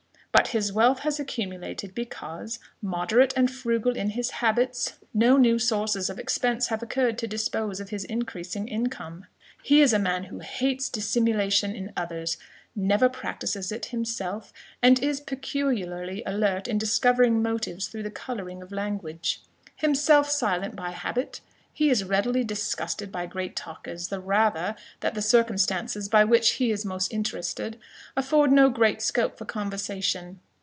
But his wealth has accumulated, because, moderate and frugal in his habits, no new sources of expense have occurred to dispose of his increasing income. He is a man who hates dissimulation in others; never practises it himself; and is peculiarly alert in discovering motives through the colouring of language. Himself silent by habit, he is readily disgusted by great talkers; the rather, that the circumstances by which he is most interested, afford no great scope for conversation.